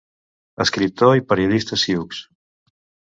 Escriptor i periodista sioux.